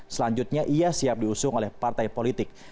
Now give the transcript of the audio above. selanjutnya ia siap diusung oleh partai politik